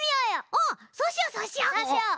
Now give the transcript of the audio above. おそうしようそうしよう！